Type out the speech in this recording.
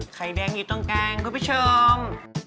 ไข่แดงดีต้องแกงเดี๋ยวไปชม